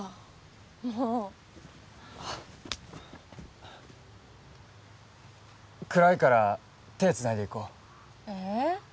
もう暗いから手つないで行こうえー？